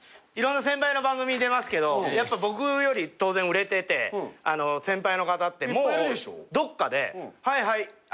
いろんな先輩の番組に出ますけどやっぱ僕より当然売れてて先輩の方ってもうどっかで「はいはいやれ」